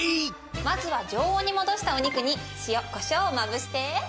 まずは常温に戻したお肉に塩・コショウをまぶして。